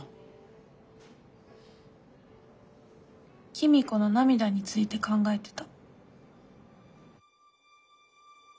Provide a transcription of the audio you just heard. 公子の涙について考えてた。